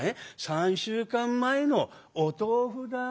３週間前のお豆腐だ？